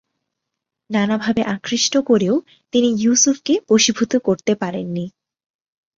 নানাভাবে আকৃষ্ট করেও তিনি ইউসুফকে বশীভূত করতে পারেন নি।